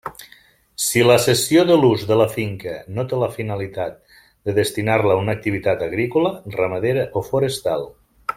Si la cessió de l'ús de la finca no té la finalitat de destinar-la a una activitat agrícola, ramadera o forestal.